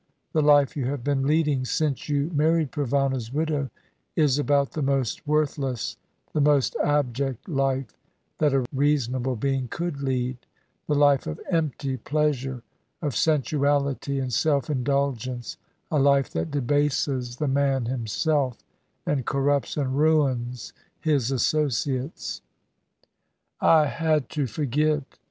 The life you have been leading since you married Provana's widow is about the most worthless, the most abject life that a reasonable being could lead, the life of empty pleasure, of sensuality and self indulgence, a life that debases the man himself, and corrupts and ruins his associates." "I had to forget.